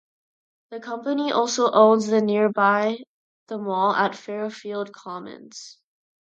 The company also owns the nearby The Mall at Fairfield Commons.